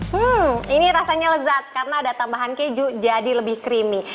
hmm ini rasanya lezat karena ada tambahan keju jadi lebih creamy